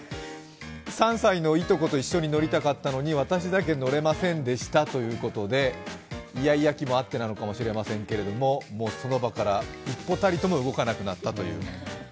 ３歳のいとこと一緒に乗りたかったのに私だけ乗れませんでしたということでイヤイヤ期もあってなのかもしれませんけれども、その場から一歩たりとも動かなくなったという。